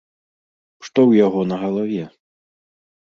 Што ў яго на галаве?